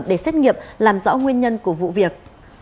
để xét nghiệm làm rõ nguyên nhân của vụ việc